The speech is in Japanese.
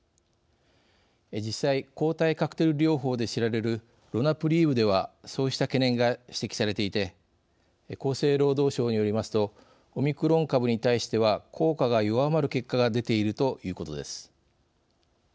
実際抗体カクテル療法で知られるロナプリーブではそうした懸念が指摘されていて厚生労働省によりますとオミクロン株に対しては効果が弱まる結果が出ているということです。